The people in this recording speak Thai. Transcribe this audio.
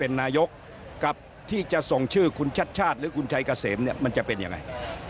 นายกกับที่จะส่งชื่อคุณชัดชาติหรือคุณชัยเกษมเนี่ยมันจะเป็นยังไง